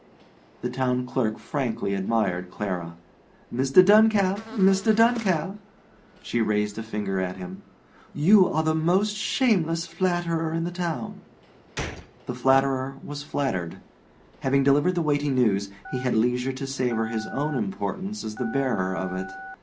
The Town Clerk frankly admired Clara. 'Mr. Duncalf Mr. Duncalf!' She raised a finger at him. 'You are the most shameless flatterer in the town.' The flatterer was flattered. Having delivered the weighty news, he had leisure to savour his own importance as the bearer of it.